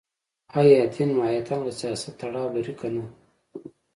ایا دین ماهیتاً له سیاست تړاو لري که نه